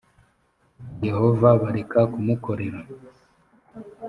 yehova bareka kumukorera